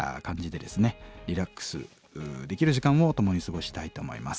リラックスできる時間を共に過ごしたいと思います。